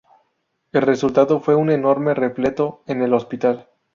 El resultado fue un enorme repleto en el hospital.